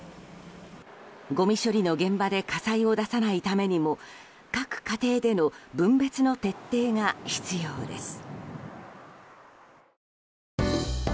ごみ処理の現場で火災を出さないためにも各家庭での分別の徹底が必要です。